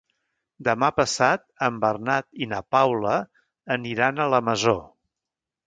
Demà passat en Bernat i na Paula aniran a la Masó.